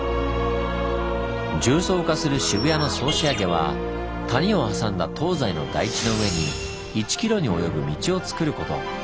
重層化する渋谷の総仕上げは谷を挟んだ東西の台地の上に１ｋｍにおよぶ道をつくること。